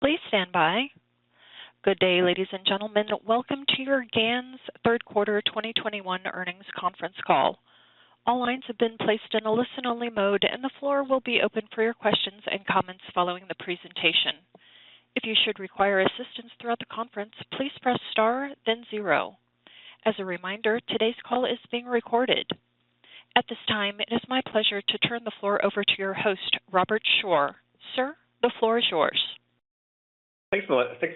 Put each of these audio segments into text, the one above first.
Please stand by. Good day, ladies and gentlemen. Welcome to GAN's third quarter 2021 earnings conference call. All lines have been placed in a listen-only mode, and the floor will be open for your questions and comments following the presentation. If you should require assistance throughout the conference, please press star then zero. As a reminder, today's call is being recorded. At this time, it is my pleasure to turn the floor over to your host, Robert Shore. Sir, the floor is yours. Thanks,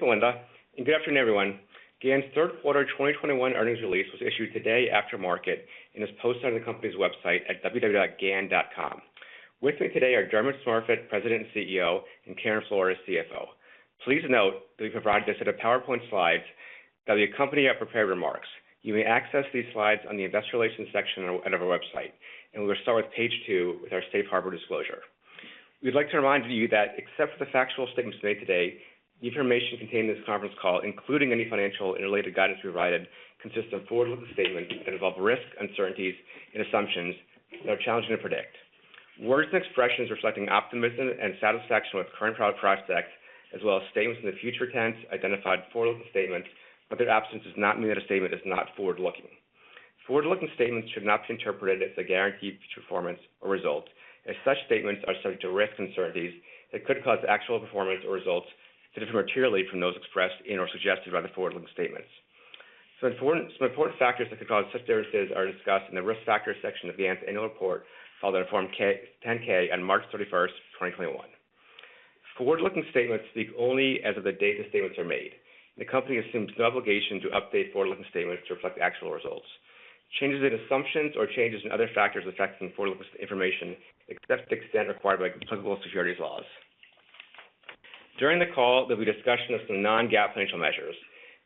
Melinda, and good afternoon, everyone. GAN's third quarter 2021 earnings release was issued today after market and is posted on the company's website at www.gan.com. With me today are Dermot Smurfit, President and CEO, and Karen Flores, CFO. Please note that we've provided a set of PowerPoint slides that will accompany our prepared remarks. You may access these slides on the Investor Relations section of our website, and we'll start with page two with our safe harbor disclosure. We'd like to remind you that except for the factual statements made today, the information contained in this conference call, including any financial and related guidance we provided, consists of forward-looking statements that involve risks, uncertainties and assumptions that are challenging to predict. Words and expressions reflecting optimism and satisfaction with current product prospects, as well as statements in the future tense identified as forward-looking statements, but their absence does not mean that a statement is not forward-looking. Forward-looking statements should not be interpreted as a guarantee of performance or result, as such statements are subject to risks and uncertainties that could cause actual performance or results to differ materially from those expressed in or suggested by the forward-looking statements. Some important factors that could cause such differences are discussed in the Risk Factors section of GAN's annual report filed on Form 10-K on March 31st, 2021. Forward-looking statements speak only as of the date the statements are made. The company assumes no obligation to update forward-looking statements to reflect actual results. Changes in assumptions or changes in other factors affecting forward-looking information, except to the extent required by applicable securities laws. During the call, there'll be discussion of some non-GAAP financial measures.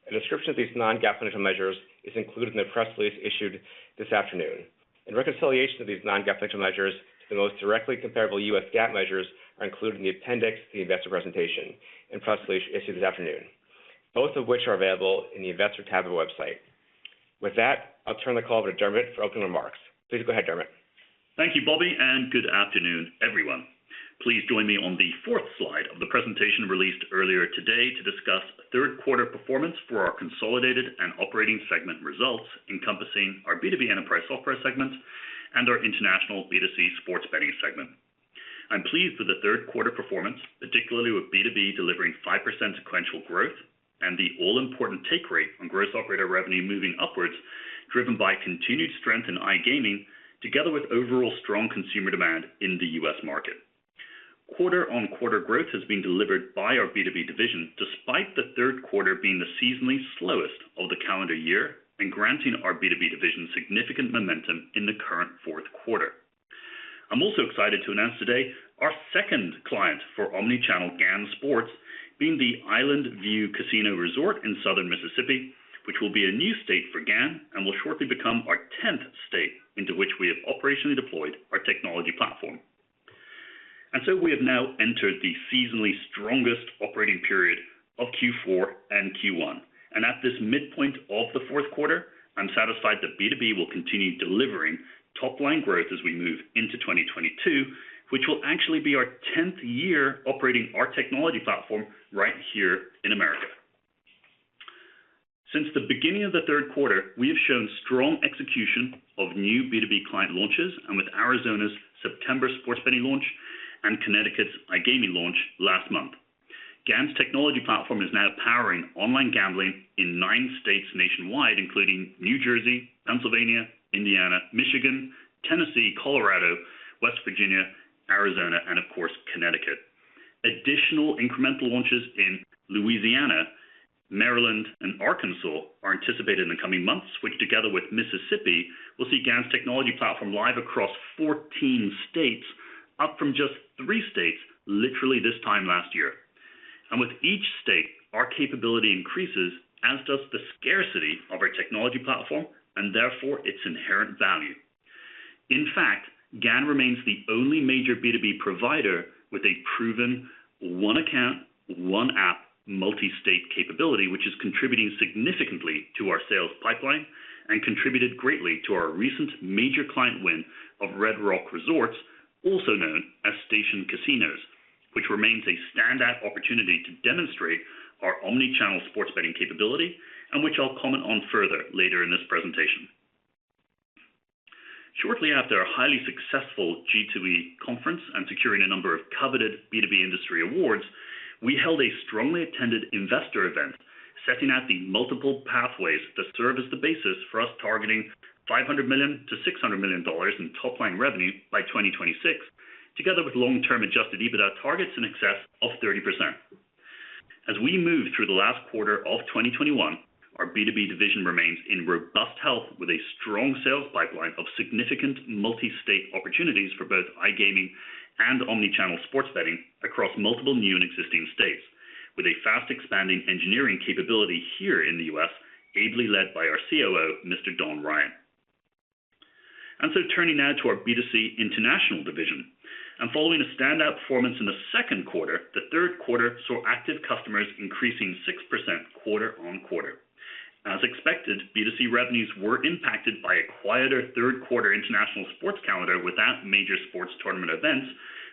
A description of these non-GAAP financial measures is included in the press release issued this afternoon. Reconciliation of these non-GAAP financial measures to the most directly comparable US GAAP measures are included in the appendix to the investor presentation and press release issued this afternoon, both of which are available in the Investor tab of the website. With that, I'll turn the call over to Dermot for opening remarks. Please go ahead, Dermot. Thank you, Bobby, and good afternoon, everyone. Please join me on the fourth slide of the presentation released earlier today to discuss third quarter performance for our consolidated and operating segment results encompassing our B2B enterprise software segment and our international B2C sports betting segment. I'm pleased with the third quarter performance, particularly with B2B delivering 5% sequential growth and the all-important take rate on gross operator revenue moving upwards, driven by continued strength in iGaming together with overall strong consumer demand in the U.S. market. Quarter-on-quarter growth has been delivered by our B2B division despite the third quarter being the seasonally slowest of the calendar year and granting our B2B division significant momentum in the current fourth quarter. I'm also excited to announce today our second client for omni-channel GAN Sports being the Island View Casino Resort in southern Mississippi, which will be a new state for GAN and will shortly become our 10th state into which we have operationally deployed our technology platform. We have now entered the seasonally strongest operating period of Q4 and Q1. At this midpoint of the fourth quarter, I'm satisfied that B2B will continue delivering top-line growth as we move into 2022, which will actually be our 10th year operating our technology platform right here in America. Since the beginning of the third quarter, we have shown strong execution of new B2B client launches and with Arizona's September sports betting launch and Connecticut's iGaming launch last month. GAN's technology platform is now powering online gambling in nine states nationwide, including New Jersey, Pennsylvania, Indiana, Michigan, Tennessee, Colorado, West Virginia, Arizona, and of course, Connecticut. Additional incremental launches in Louisiana, Maryland, and Arkansas are anticipated in the coming months, which together with Mississippi, will see GAN's technology platform live across 14 states, up from just three states literally this time last year. With each state, our capability increases, as does the scarcity of our technology platform and therefore its inherent value. In fact, GAN remains the only major B2B provider with a proven one account, one app, multi-state capability, which is contributing significantly to our sales pipeline and contributed greatly to our recent major client win of Red Rock Resorts, also known as Station Casinos, which remains a standout opportunity to demonstrate our omni-channel sports betting capability and which I'll comment on further later in this presentation. Shortly after a highly successful G2E conference and securing a number of coveted B2B industry awards, we held a strongly attended investor event, setting out the multiple pathways that serve as the basis for us targeting $500 million-$600 million in top-line revenue by 2026, together with long-term adjusted EBITDA targets in excess of 30%. As we move through the last quarter of 2021, our B2B division remains in robust health with a strong sales pipeline of significant multi-state opportunities for both iGaming and omni-channel sports betting across multiple new and existing states with a fast-expanding engineering capability here in the U.S., ably led by our COO, Mr. Don Ryan. Turning now to our B2C international division, and following a standout performance in the second quarter, the third quarter saw active customers increasing 6% quarter-over-quarter. As expected, B2C revenues were impacted by a quieter third quarter international sports calendar without major sports tournament events,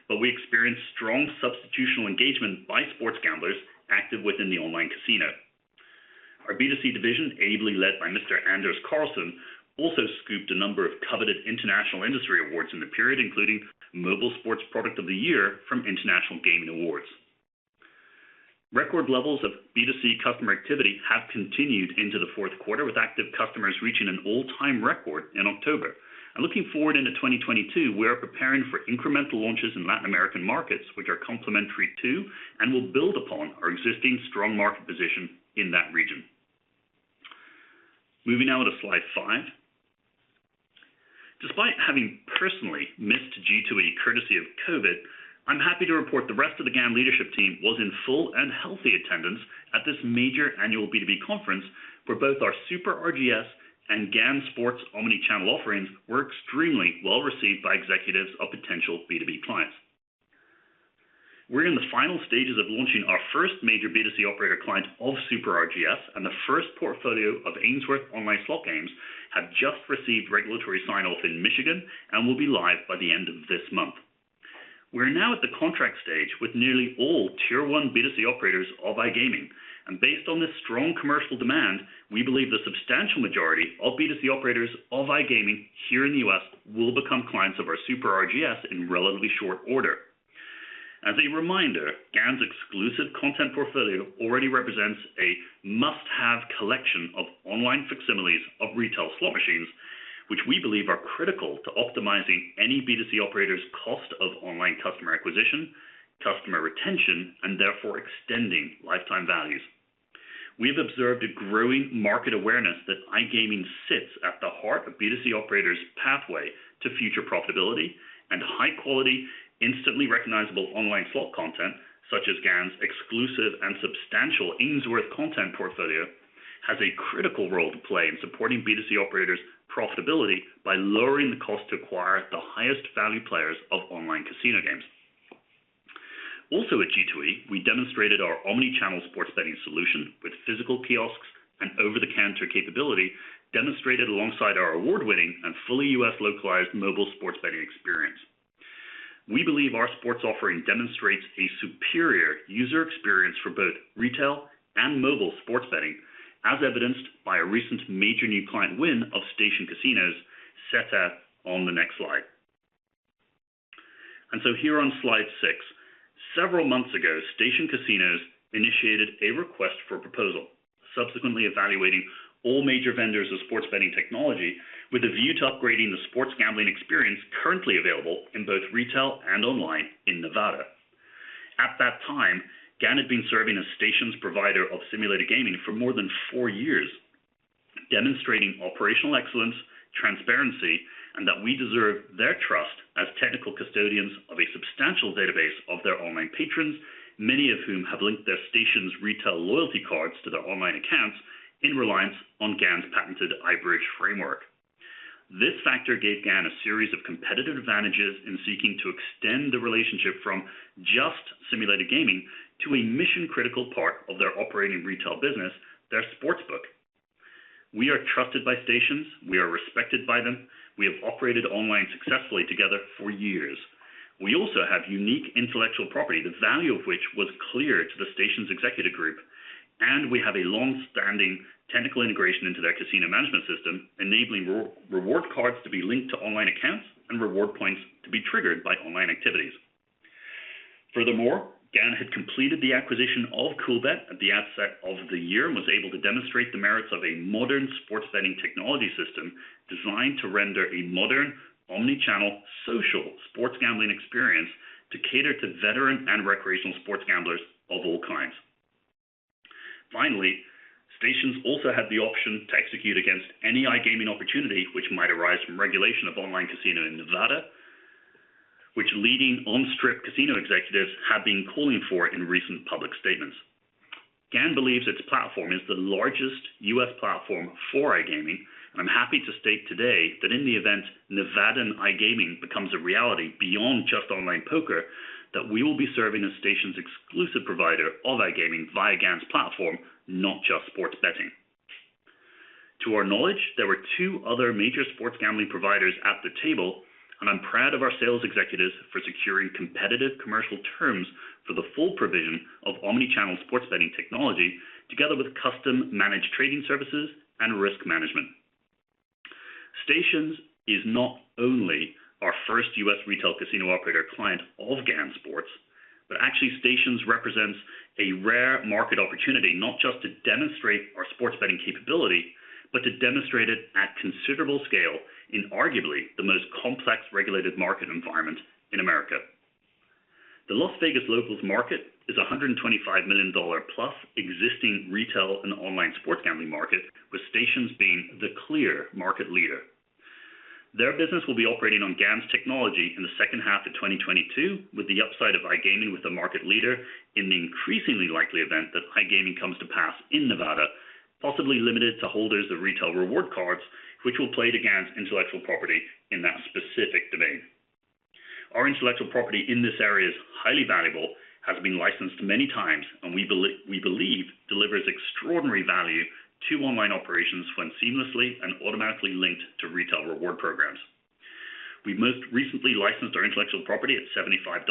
but we experienced strong substitutional engagement by sports gamblers active within the online casino. Our B2C division, ably led by Mr. Anders Karlsen, also scooped a number of coveted international industry awards in the period, including Mobile Sports Product of the Year from International Gaming Awards. Record levels of B2C customer activity have continued into the fourth quarter, with active customers reaching an all-time record in October. Looking forward into 2022, we are preparing for incremental launches in Latin American markets, which are complementary to and will build upon our existing strong market position in that region. Moving now to slide five. Despite having personally missed G2E courtesy of COVID, I'm happy to report the rest of the GAN leadership team was in full and healthy attendance at this major annual B2B conference where both our Super RGS and GAN Sports omni-channel offerings were extremely well received by executives of potential B2B clients. We're in the final stages of launching our first major B2C operator client of Super RGS, and the first portfolio of Ainsworth online slot games have just received regulatory sign-off in Michigan and will be live by the end of this month. We're now at the contract stage with nearly all Tier 1 B2C operators of iGaming, and based on this strong commercial demand, we believe the substantial majority of B2C operators of iGaming here in the U.S. will become clients of our Super RGS in relatively short order. As a reminder, GAN's exclusive content portfolio already represents a must-have collection of online facsimiles of retail slot machines, which we believe are critical to optimizing any B2C operator's cost of online customer acquisition, customer retention, and therefore extending lifetime values. We have observed a growing market awareness that iGaming sits at the heart of B2C operators pathway to future profitability and high quality, instantly recognizable online slot content such as GAN's exclusive and substantial Ainsworth content portfolio, has a critical role to play in supporting B2C operators profitability by lowering the cost to acquire the highest value players of online casino games. Also at G2E, we demonstrated our omni-channel sports betting solution with physical kiosks and over-the-counter capability demonstrated alongside our award-winning and fully U.S. localized mobile sports betting experience. We believe our sports offering demonstrates a superior user experience for both retail and mobile sports betting, as evidenced by a recent major new client win of Station Casinos, set out on the next slide. Here on slide six. Several months ago, Station Casinos initiated a request for proposal, subsequently evaluating all major vendors of sports betting technology with a view to upgrading the sports gambling experience currently available in both retail and online in Nevada. At that time, GAN had been serving as Station Casinos' provider of simulated gaming for more than four years, demonstrating operational excellence, transparency, and that we deserve their trust as technical custodians of a substantial database of their online patrons, many of whom have linked their Station Casinos' retail loyalty cards to their online accounts in reliance on GAN's patented iBridge framework. This factor gave GAN a series of competitive advantages in seeking to extend the relationship from just simulated gaming to a mission-critical part of their operating retail business, their sports book. We are trusted by Station Casinos. We are respected by them. We have operated online successfully together for years. We also have unique intellectual property, the value of which was clear to the Station Casinos' executive group, and we have a long-standing technical integration into their casino management system, enabling player reward cards to be linked to online accounts and reward points to be triggered by online activities. Furthermore, GAN had completed the acquisition of Coolbet at the outset of the year and was able to demonstrate the merits of a modern sports betting technology system designed to render a modern omni-channel social sports gambling experience to cater to veteran and recreational sports gamblers of all kinds. Finally, Stations also had the option to execute against any iGaming opportunity which might arise from regulation of online casino in Nevada, which leading on-strip casino executives have been calling for in recent public statements. GAN believes its platform is the largest U.S. platform for iGaming, and I'm happy to state today that in the event Nevadan iGaming becomes a reality beyond just online poker, that we will be serving as Station's exclusive provider of iGaming via GAN's platform, not just sports betting. To our knowledge, there were two other major sports gambling providers at the table, and I'm proud of our sales executives for securing competitive commercial terms for the full provision of omni-channel sports betting technology together with custom managed trading services and risk management. Station Casinos is not only our first U.S. retail casino operator client of GAN Sports, but actually Station Casinos represents a rare market opportunity not just to demonstrate our sports betting capability, but to demonstrate it at considerable scale in arguably the most complex regulated market environment in America. The Las Vegas locals market is a $125+ million existing retail and online sports gambling market, with Station Casinos being the clear market leader. Their business will be operating on GAN's technology in the second half of 2022, with the upside of iGaming with the market leader in the increasingly likely event that iGaming comes to pass in Nevada, possibly limited to holders of retail reward cards, which will play to GAN's intellectual property in that specific domain. Our intellectual property in this area is highly valuable, has been licensed many times, and we believe delivers extraordinary value to online operations when seamlessly and automatically linked to retail reward programs. We most recently licensed our intellectual property at $75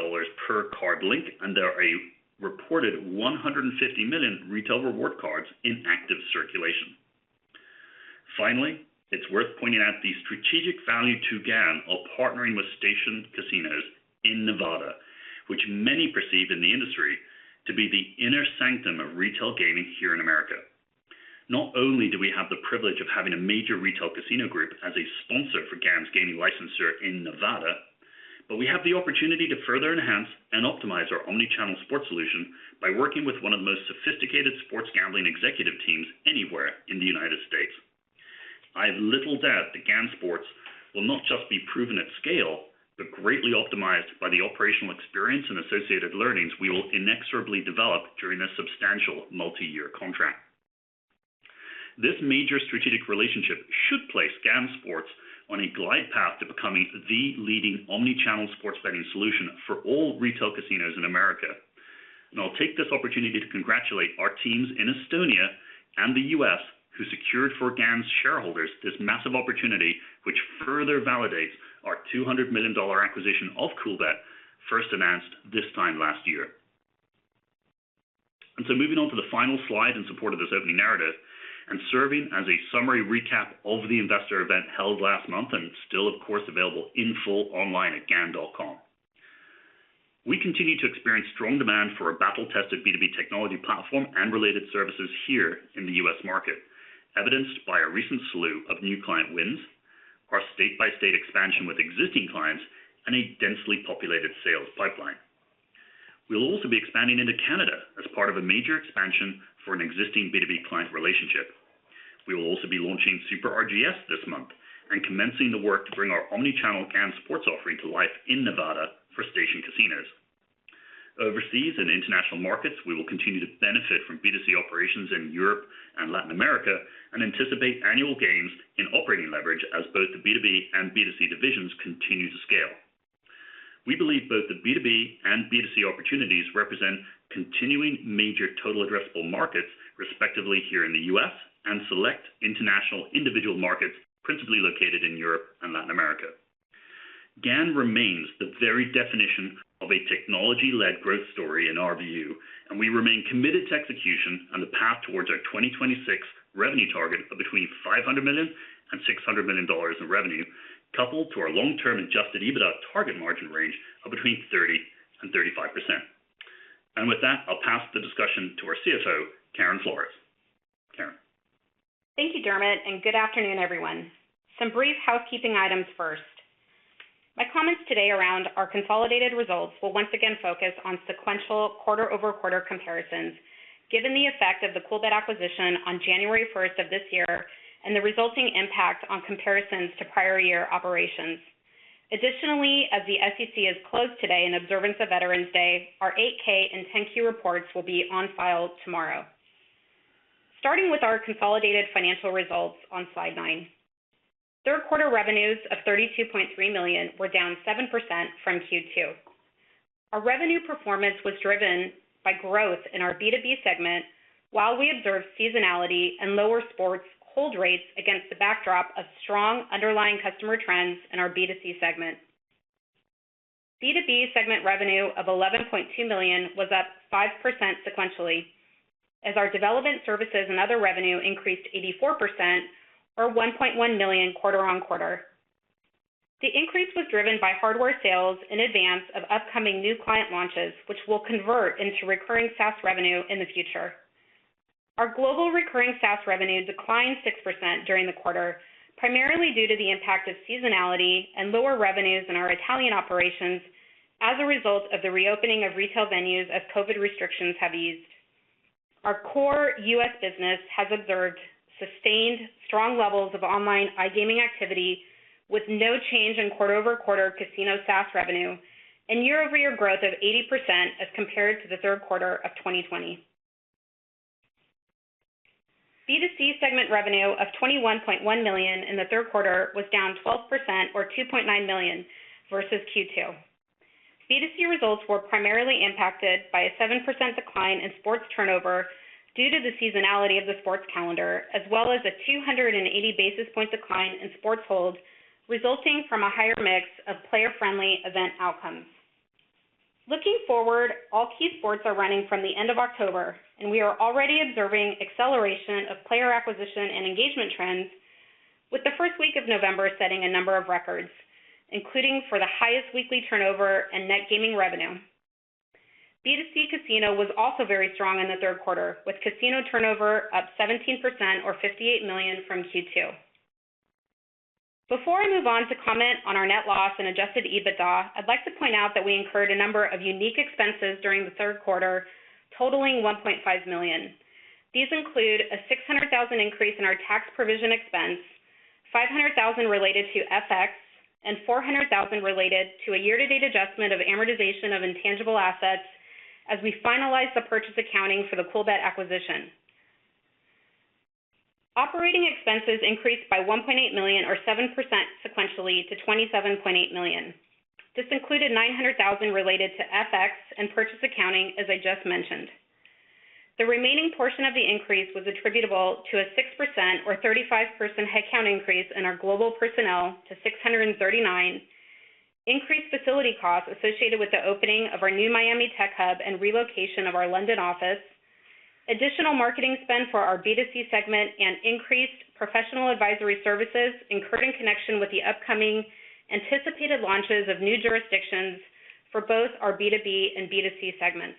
per card link, and there are a reported 150 million retail reward cards in active circulation. Finally, it's worth pointing out the strategic value to GAN of partnering with Station Casinos in Nevada, which many perceive in the industry to be the inner sanctum of retail gaming here in America. Not only do we have the privilege of having a major retail casino group as a sponsor for GAN's gaming licensor in Nevada, but we have the opportunity to further enhance and optimize our omni-channel sports solution by working with one of the most sophisticated sports gambling executive teams anywhere in the United States. I have little doubt that GAN Sports will not just be proven at scale, but greatly optimized by the operational experience and associated learnings we will inexorably develop during a substantial multi-year contract. This major strategic relationship should place GAN Sports on a glide path to becoming the leading omni-channel sports betting solution for all retail casinos in America. I'll take this opportunity to congratulate our teams in Estonia and the U.S. who secured for GAN's shareholders this massive opportunity, which further validates our $200 million acquisition of Coolbet, first announced this time last year. Moving on to the final slide in support of this opening narrative and serving as a summary recap of the investor event held last month and still, of course, available in full online at gan.com. We continue to experience strong demand for our battle-tested B2B technology platform and related services here in the U.S. market, evidenced by a recent slew of new client wins, our state-by-state expansion with existing clients, and a densely populated sales pipeline. We'll also be expanding into Canada as part of a major expansion for an existing B2B client relationship. We will also be launching Super RGS this month and commencing the work to bring our omni-channel GAN Sports offering to life in Nevada for Station Casinos. Overseas, in international markets, we will continue to benefit from B2C operations in Europe and Latin America, and anticipate annual gains in operating leverage as both the B2B and B2C divisions continue to scale. We believe both the B2B and B2C opportunities represent continuing major total addressable markets, respectively, here in the U.S. and select international individual markets, principally located in Europe and Latin America. GAN remains the very definition of a technology-led growth story in our view, and we remain committed to execution on the path towards our 2026 revenue target of between $500 million and $600 million in revenue, coupled to our long-term adjusted EBITDA target margin range of between 30%-35%. With that, I'll pass the discussion to our CFO, Karen Flores. Karen. Thank you, Dermot, and good afternoon, everyone. Some brief housekeeping items first. My comments today around our consolidated results will once again focus on sequential quarter-over-quarter comparisons, given the effect of the Coolbet acquisition on January 1st of this year, and the resulting impact on comparisons to prior year operations. Additionally, as the SEC is closed today in observance of Veterans Day, our 8-K and 10-Q reports will be on file tomorrow. Starting with our consolidated financial results on slide nine. Third quarter revenues of $32.3 million were down 7% from Q2. Our revenue performance was driven by growth in our B2B segment, while we observed seasonality and lower sports hold rates against the backdrop of strong underlying customer trends in our B2C segment. B2B segment revenue of $11.2 million was up 5% sequentially as our development services and other revenue increased 84% or $1.1 million quarter-over-quarter. The increase was driven by hardware sales in advance of upcoming new client launches, which will convert into recurring SaaS revenue in the future. Our global recurring SaaS revenue declined 6% during the quarter, primarily due to the impact of seasonality and lower revenues in our Italian operations as a result of the reopening of retail venues as COVID restrictions have eased. Our core U.S. business has observed sustained strong levels of online iGaming activity with no change in quarter-over-quarter casino SaaS revenue and year-over-year growth of 80% as compared to the third quarter of 2020. B2C segment revenue of $21.1 million in the third quarter was down 12% or $2.9 million versus Q2. B2C results were primarily impacted by a 7% decline in sports turnover due to the seasonality of the sports calendar, as well as a 280 basis point decline in sports hold, resulting from a higher mix of player-friendly event outcomes. Looking forward, all key sports are running from the end of October, and we are already observing acceleration of player acquisition and engagement trends with the first week of November setting a number of records, including for the highest weekly turnover and net gaming revenue. B2C Casino was also very strong in the third quarter, with casino turnover up 17% or $58 million from Q2. Before I move on to comment on our net loss and adjusted EBITDA, I'd like to point out that we incurred a number of unique expenses during the third quarter, totaling $1.5 million. These include a $600,000 increase in our tax provision expense, $500,000 related to FX, and $400,000 related to a year-to-date adjustment of amortization of intangible assets as we finalized the purchase accounting for the Coolbet acquisition. Operating expenses increased by $1.8 million or 7% sequentially to $27.8 million. This included $900,000 related to FX and purchase accounting, as I just mentioned. The remaining portion of the increase was attributable to a 6% or 35-person headcount increase in our global personnel to 639, increased facility costs associated with the opening of our new Miami tech hub and relocation of our London office, additional marketing spend for our B2C segment, and increased professional advisory services incurred in connection with the upcoming anticipated launches of new jurisdictions for both our B2B and B2C segments.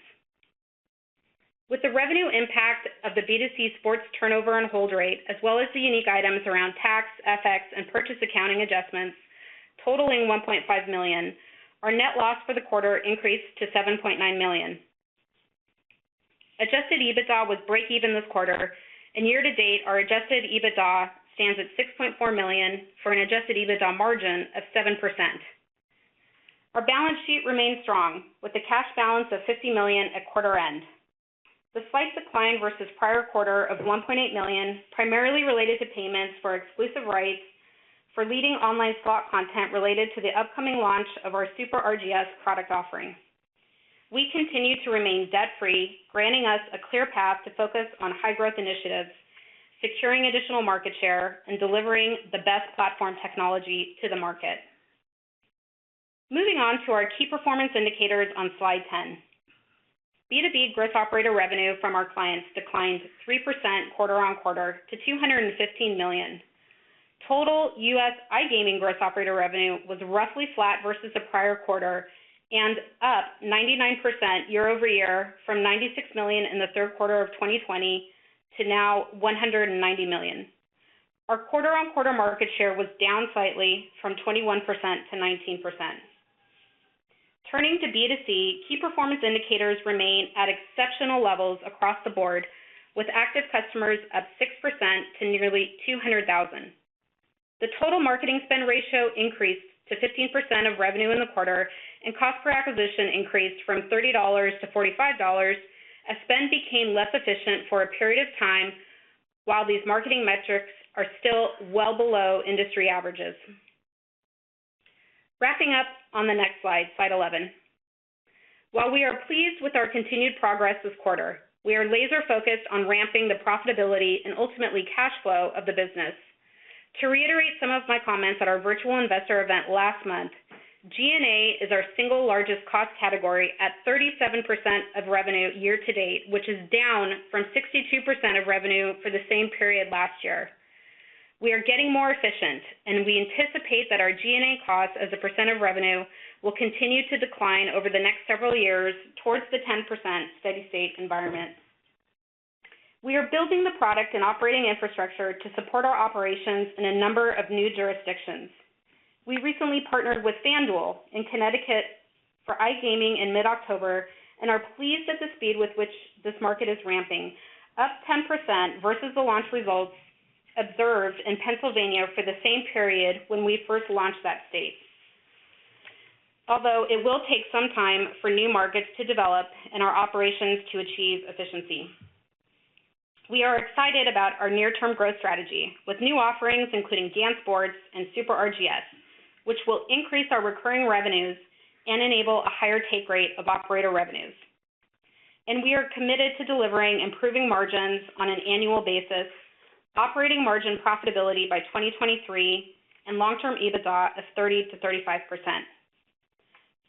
With the revenue impact of the B2C sports turnover and hold rate, as well as the unique items around tax, FX, and purchase accounting adjustments totaling $1.5 million, our net loss for the quarter increased to $7.9 million. Adjusted EBITDA was breakeven this quarter, and year-to-date, our adjusted EBITDA stands at $6.4 million for an adjusted EBITDA margin of 7%. Our balance sheet remains strong with a cash balance of $50 million at quarter-end. The slight decline versus prior quarter of $1.8 million primarily related to payments for exclusive rights for leading online slot content related to the upcoming launch of our Super RGS product offering. We continue to remain debt-free, granting us a clear path to focus on high-growth initiatives, securing additional market share and delivering the best platform technology to the market. Moving on to our key performance indicators on slide 10. B2B gross operator revenue from our clients declined 3% quarter-on-quarter to $215 million. Total U.S. iGaming gross operator revenue was roughly flat versus the prior quarter and up 99% year-over-year from $96 million in the third quarter of 2020 to now $190 million. Our quarter-on-quarter market share was down slightly from 21% to 19%. Turning to B2C, key performance indicators remain at exceptional levels across the board, with active customers up 6% to nearly 200,000. The total marketing spend ratio increased to 15% of revenue in the quarter, and cost per acquisition increased from $30 to $45 as spend became less efficient for a period of time while these marketing metrics are still well below industry averages. Wrapping up on the next slide 11. While we are pleased with our continued progress this quarter, we are laser focused on ramping the profitability and ultimately cash flow of the business. To reiterate some of my comments at our Virtual Investor Event last month, G&A is our single largest cost category at 37% of revenue year-to-date, which is down from 62% of revenue for the same period last year. We are getting more efficient, and we anticipate that our G&A costs as a percent of revenue will continue to decline over the next several years towards the 10% steady-state environment. We are building the product and operating infrastructure to support our operations in a number of new jurisdictions. We recently partnered with FanDuel in Connecticut for iGaming in mid-October and are pleased at the speed with which this market is ramping, up 10% versus the launch results observed in Pennsylvania for the same period when we first launched that state. Although it will take some time for new markets to develop and our operations to achieve efficiency. We are excited about our near-term growth strategy with new offerings including GAN Sports and Super RGS, which will increase our recurring revenues and enable a higher take rate of operator revenues. We are committed to delivering improving margins on an annual basis, operating margin profitability by 2023 and long-term EBITDA of 30%-35%.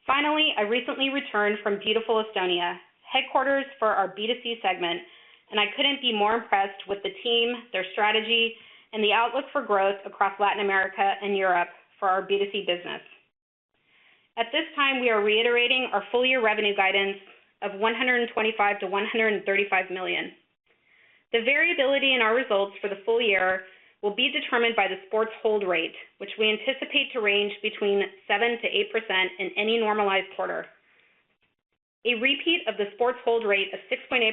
Finally, I recently returned from beautiful Estonia, headquarters for our B2C segment, and I couldn't be more impressed with the team, their strategy, and the outlook for growth across Latin America and Europe for our B2C business. At this time, we are reiterating our full-year revenue guidance of $125 million-$135 million. The variability in our results for the full-year will be determined by the sports hold rate, which we anticipate to range between 7%-8% in any normalized quarter. A repeat of the sports hold rate of 6.8%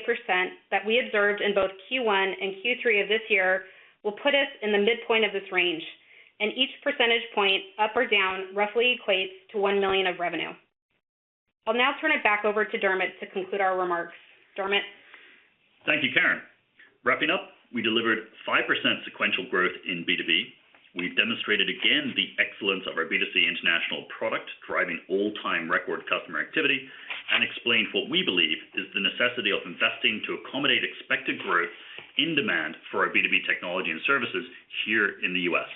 that we observed in both Q1 and Q3 of this year will put us in the midpoint of this range, and each percentage point up or down roughly equates to $1 million of revenue. I'll now turn it back over to Dermot to conclude our remarks. Dermot? Thank you, Karen. Wrapping up, we delivered 5% sequential growth in B2B. We've demonstrated again the excellence of our B2C international product, driving all-time record customer activity and explained what we believe is the necessity of investing to accommodate expected growth in demand for our B2B technology and services here in the U.S.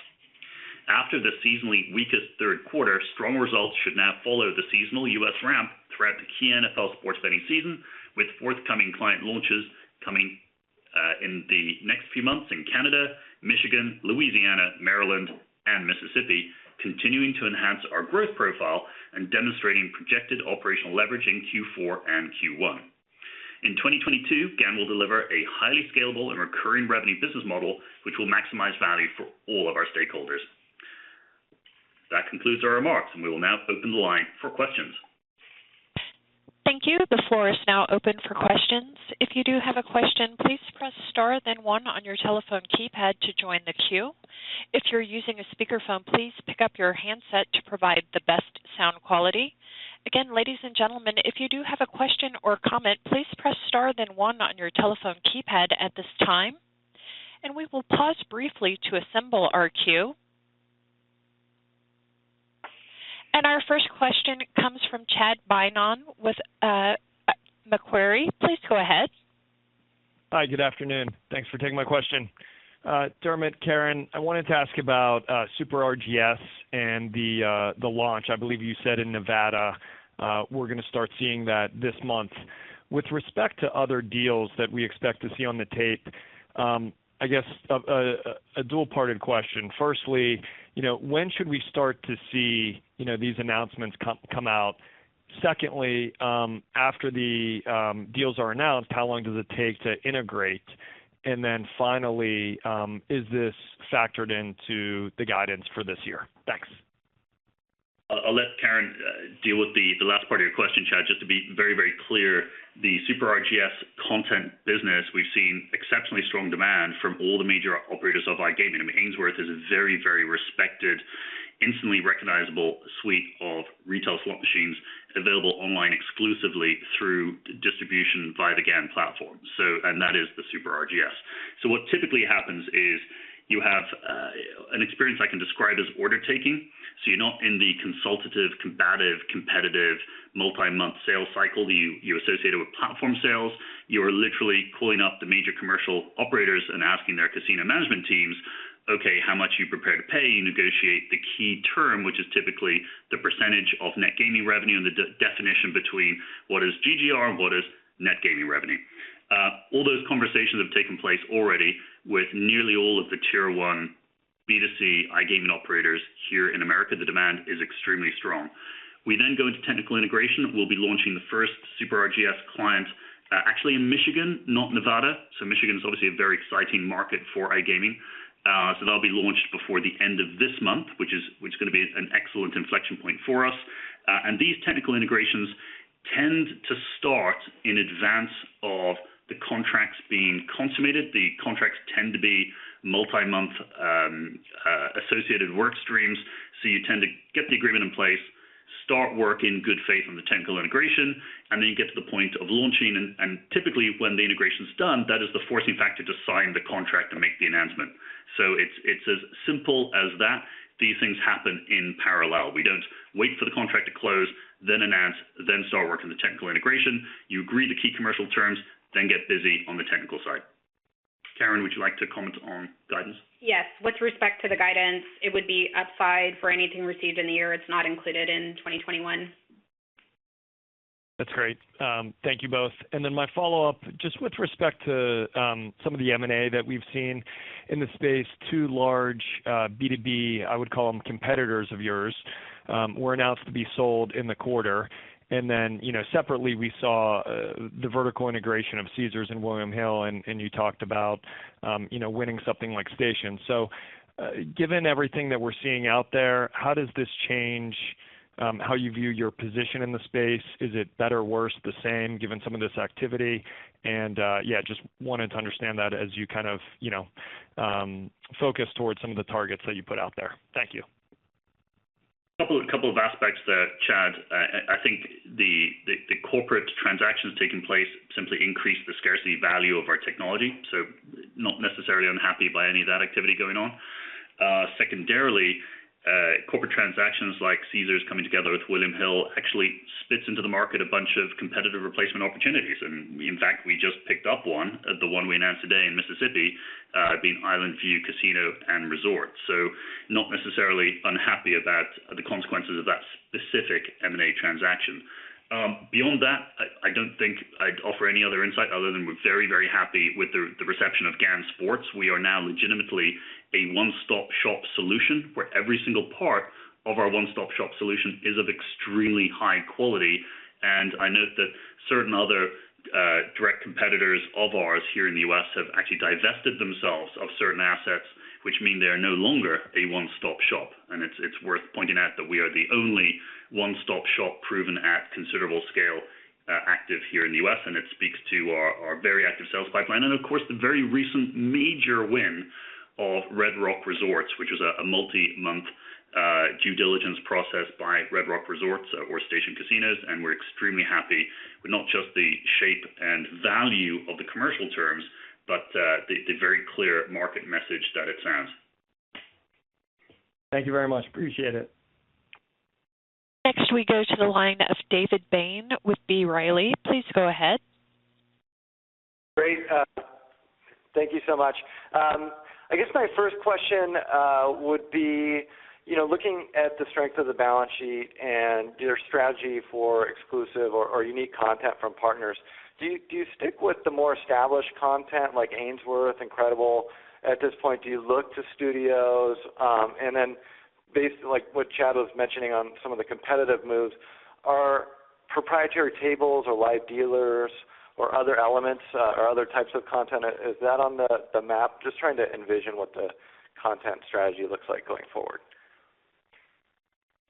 After the seasonally weakest third quarter, strong results should now follow the seasonal U.S. ramp throughout the key NFL sports betting season, with forthcoming client launches coming in the next few months in Canada, Michigan, Louisiana, Maryland, and Mississippi, continuing to enhance our growth profile and demonstrating projected operational leverage in Q4 and Q1. In 2022, GAN will deliver a highly scalable and recurring revenue business model which will maximize value for all of our stakeholders. That concludes our remarks, and we will now open the line for questions. Thank you. The floor is now open for questions. If you do have a question, please press star then one on your telephone keypad to join the queue. If you're using a speakerphone, please pick up your handset to provide the best sound quality. Again, ladies and gentlemen, if you do have a question or comment, please press star then one on your telephone keypad at this time, and we will pause briefly to assemble our queue. Our first question comes from Chad Beynon with Macquarie. Please go ahead. Hi, good afternoon. Thanks for taking my question. Dermot, Karen, I wanted to ask about Super RGS and the launch. I believe you said in Nevada we're gonna start seeing that this month. With respect to other deals that we expect to see on the tape, I guess a dual-parted question. Firstly, you know, when should we start to see, you know, these announcements come out? Secondly, after the deals are announced, how long does it take to integrate? And then finally, is this factored into the guidance for this year? Thanks. I'll let Karen deal with the last part of your question, Chad. Just to be very, very clear, the Super RGS content business, we've seen exceptionally strong demand from all the major operators of iGaming. I mean, Ainsworth is a very, very respected, instantly recognizable suite of retail slot machines available online exclusively through distribution via the GAN platform. That is the Super RGS. What typically happens is you have an experience I can describe as order taking. You're not in the consultative, combative, competitive, multi-month sales cycle that you associated with platform sales. You're literally calling up the major commercial operators and asking their casino management teams, "Okay, how much are you prepared to pay?" You negotiate the key term, which is typically the percentage of net gaming revenue and the definition between what is GGR and what is net gaming revenue. All those conversations have taken place already with nearly all of the tier one B2C iGaming operators here in America. The demand is extremely strong. We then go into technical integration. We'll be launching the first Super RGS client, actually in Michigan, not Nevada. Michigan is obviously a very exciting market for iGaming. That'll be launched before the end of this month, which is gonna be an excellent inflection point for us. These technical integrations tend to start in advance of the contracts being consummated. The contracts tend to be multi-month, associated work streams, so you tend to get the agreement in place, start work in good faith on the technical integration, and then you get to the point of launching. Typically when the integration's done, that is the forcing factor to sign the contract and make the announcement. It's as simple as that. These things happen in parallel. We don't wait for the contract to close, then announce, then start working the technical integration. You agree the key commercial terms, then get busy on the technical side. Karen, would you like to comment on guidance? Yes. With respect to the guidance, it would be upside for anything received in the year. It's not included in 2021. That's great. Thank you both. Then my follow-up, just with respect to, some of the M&A that we've seen in the space, two large, B2B, I would call them competitors of yours, were announced to be sold in the quarter. Then, you know, separately, we saw, the vertical integration of Caesars and William Hill, and you talked about, you know, winning something like Station. Given everything that we're seeing out there, how does this change, how you view your position in the space? Is it better, worse, the same given some of this activity? Yeah, just wanted to understand that as you kind of, you know, focus towards some of the targets that you put out there. Thank you. Couple of aspects there, Chad. I think the corporate transactions taking place simply increase the scarcity value of our technology, so not necessarily unhappy by any of that activity going on. Secondarily, corporate transactions like Caesars coming together with William Hill actually spits into the market a bunch of competitive replacement opportunities. In fact, we just picked up one, the one we announced today in Mississippi, being Island View Casino Resort. Not necessarily unhappy about the consequences of that specific M&A transaction. Beyond that, I don't think I'd offer any other insight other than we're very happy with the reception of GAN Sports. We are now legitimately a one-stop-shop solution where every single part of our one-stop-shop solution is of extremely high quality. I note that certain other direct competitors of ours here in the U.S. have actually divested themselves of certain assets, which mean they are no longer a one-stop shop. It's worth pointing out that we are the only one-stop shop proven at considerable scale active here in the U.S., and it speaks to our very active sales pipeline. Of course, the very recent major win of Red Rock Resorts, which was a multi-month due diligence process by Red Rock Resorts or Station Casinos, and we're extremely happy with not just the shape and value of the commercial terms, but the very clear market message that it sends. Thank you very much. Appreciate it. Next, we go to the line of David Bain with B. Riley. Please go ahead. Great. Thank you so much. I guess my first question would be, you know, looking at the strength of the balance sheet and your strategy for exclusive or unique content from partners, do you stick with the more established content like Ainsworth, Incredible Technologies at this point? Do you look to studios? And then, like what Chad was mentioning on some of the competitive moves, are proprietary tables or live dealers or other elements or other types of content, is that on the map? Just trying to envision what the content strategy looks like going forward.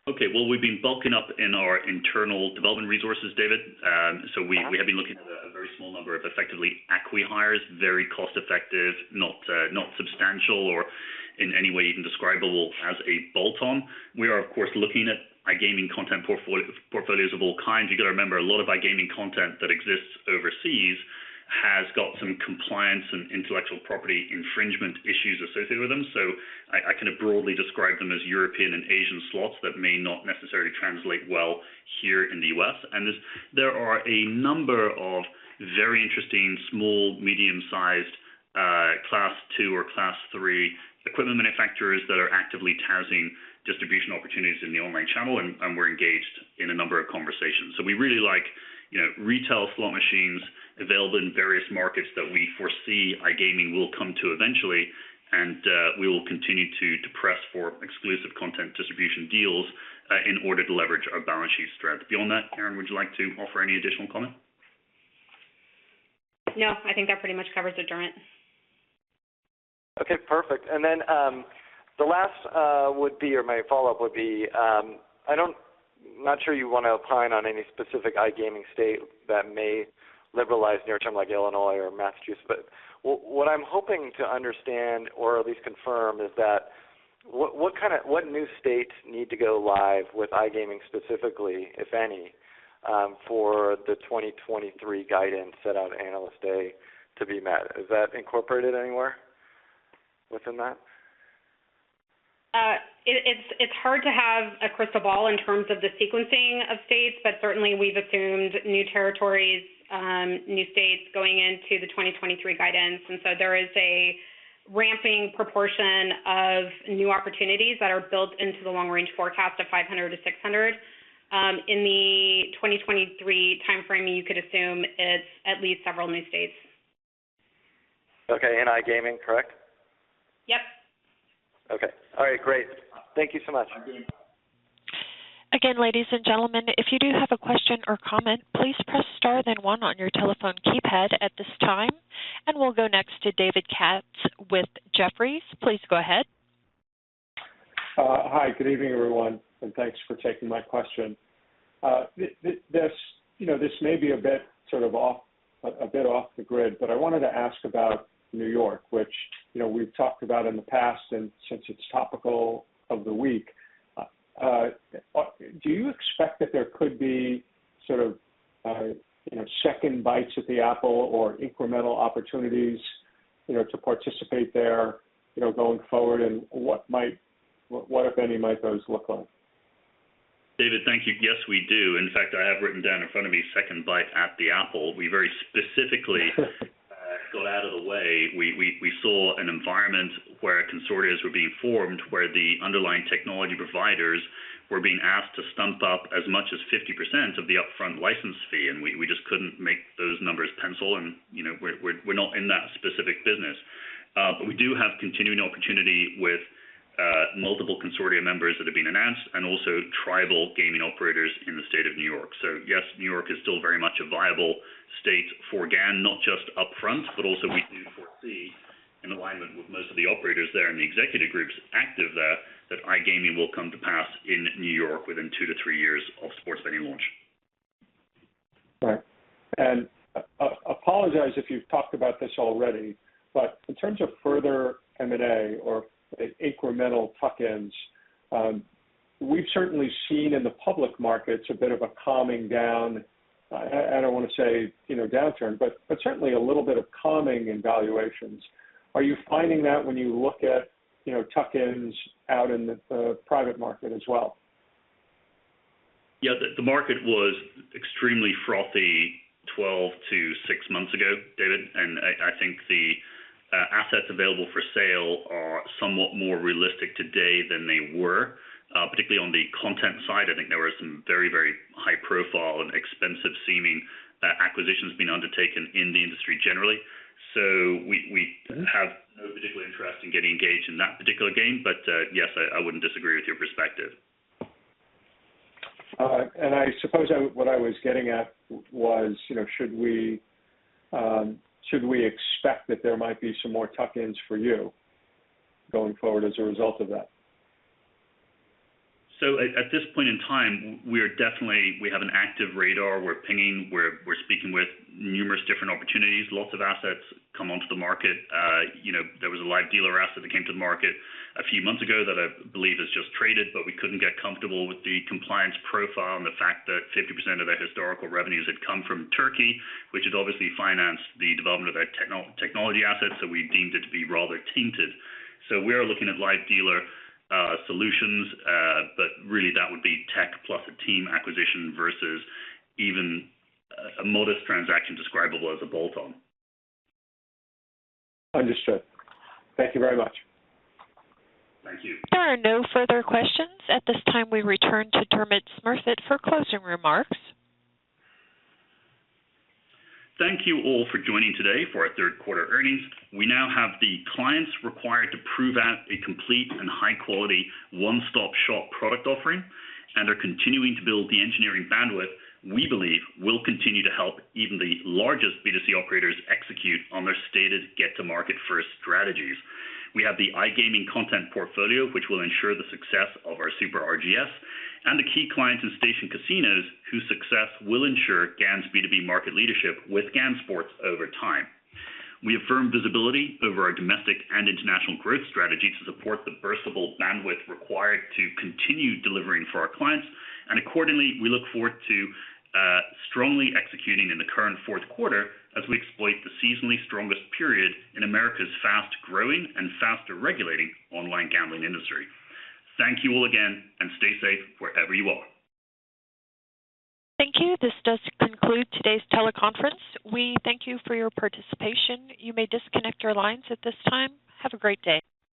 Okay. Well, we've been bulking up in our internal development resources, David. So we have been looking at a very small number of effectively acqui-hires, very cost-effective, not substantial or in any way even describable as a bolt-on. We are of course looking at iGaming content portfolios of all kinds. You got to remember, a lot of iGaming content that exists overseas has got some compliance and intellectual property infringement issues associated with them. I kind of broadly describe them as European and Asian slots that may not necessarily translate well here in the U.S. There are a number of very interesting small medium-sized class two or class three equipment manufacturers that are actively touting distribution opportunities in the online channel, and we're engaged in a number of conversations. We really like, you know, retail slot machines available in various markets that we foresee iGaming will come to eventually. We will continue to press for exclusive content distribution deals in order to leverage our balance sheet strength. Beyond that, Karen, would you like to offer any additional comment? No, I think that pretty much covers it, Dermot. Okay, perfect. The last would be or my follow-up would be, not sure you wanna opine on any specific iGaming state that may liberalize near-term like Illinois or Massachusetts. What I'm hoping to understand or at least confirm is what kind of new states need to go live with iGaming specifically, if any, for the 2023 guidance set out analyst day to be met. Is that incorporated anywhere within that? It's hard to have a crystal ball in terms of the sequencing of states, but certainly we've assumed new territories, new states going into the 2023 guidance. There is a ramping proportion of new opportunities that are built into the long-range forecast of 500-600. In the 2023 timeframe, you could assume it's at least several new states. Okay. In iGaming, correct? Yep. Okay. All right, great. Thank you so much. Thank you. Again, ladies and gentlemen, if you do have a question or comment, please press star then one on your telephone keypad at this time. We'll go next to David Katz with Jefferies. Please go ahead. Hi. Good evening, everyone, and thanks for taking my question. This, you know, this may be a bit sort of off, a bit off the grid, but I wanted to ask about New York, which, you know, we've talked about in the past, and since it's the topic of the week. Do you expect that there could be sort of, you know, second bites at the apple or incremental opportunities, you know, to participate there, you know, going forward, and what if any, might those look like? David, thank you. Yes, we do. In fact, I have written down in front of me second bite at the apple. We very specifically go out of the way. We saw an environment where consortiums were being formed, where the underlying technology providers were being asked to stump up as much as 50% of the upfront license fee, and we just couldn't make those numbers pencil and, you know, we're not in that specific business. But we do have continuing opportunity with multiple consortium members that have been announced and also tribal gaming operators in the state of New York. Yes, New York is still very much a viable state for GAN, not just upfront, but also we do foresee an alignment with most of the operators there and the executive groups active there that iGaming will come to pass in New York within two to three years of sports betting launch. Right. Apologize if you've talked about this already, but in terms of further M&A or incremental tuck-ins, we've certainly seen in the public markets a bit of a calming down. I don't wanna say, you know, downturn, but certainly a little bit of calming in valuations. Are you finding that when you look at, you know, tuck-ins out in the private market as well? Yeah. The market was extremely frothy 12 to six months ago, David, and I think the assets available for sale are somewhat more realistic today than they were, particularly on the content side. I think there were some very, very high-profile and expensive-seeming acquisitions being undertaken in the industry generally. We have no particular interest in getting engaged in that particular game. Yes, I wouldn't disagree with your perspective. I suppose what I was getting at was, you know, should we expect that there might be some more tuck-ins for you going forward as a result of that? At this point in time, we definitely have an active radar. We're pinging, we're speaking with numerous different opportunities. Lots of assets come onto the market. You know, there was a live dealer asset that came to the market a few months ago that I believe has just traded, but we couldn't get comfortable with the compliance profile and the fact that 50% of their historical revenues had come from Turkey, which had obviously financed the development of their technology assets, so we deemed it to be rather tainted. We are looking at live dealer solutions, but really that would be tech plus a team acquisition versus even a modest transaction describable as a bolt-on. Understood. Thank you very much. Thank you. There are no further questions. At this time, we return to Dermot Smurfit for closing remarks. Thank you all for joining today for our third quarter earnings. We now have the clients required to prove out a complete and high quality one-stop-shop product offering and are continuing to build the engineering bandwidth we believe will continue to help even the largest B2C operators execute on their stated get-to-market first strategies. We have the iGaming content portfolio, which will ensure the success of our Super RGS and the key clients in Station Casinos, whose success will ensure GAN's B2B market leadership with GAN Sports over time. We affirm visibility over our domestic and international growth strategy to support the burstable bandwidth required to continue delivering for our clients, and accordingly, we look forward to strongly executing in the current fourth quarter as we exploit the seasonally strongest period in America's fast-growing and faster regulating online gambling industry. Thank you all again, and stay safe wherever you are. Thank you. This does conclude today's teleconference. We thank you for your participation. You may disconnect your lines at this time. Have a great day.